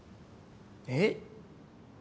えっ。